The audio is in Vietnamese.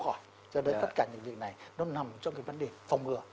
chưa nói là bệnh có thể khỏi cho nên tất cả những việc này nó nằm trong cái vấn đề phòng ngừa